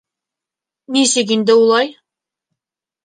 Нисек инде улай?